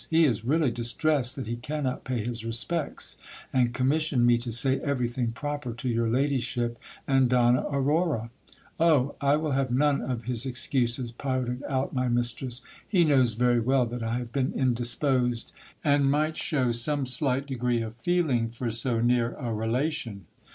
He is really distressed that he cannot pay his respects, and commissioned me to say everything proper to your ladyship and Donna Aurora. Oh ! I will have none of his excuses, pouted out my mistress, he knows very well that I have been indisposed, and might shew sc me slight degree of feeling for so near a relation.